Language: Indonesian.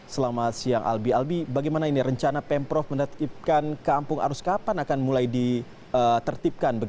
selamat siang albi albi bagaimana ini rencana pemprov menertibkan kampung arus kapan akan mulai ditertibkan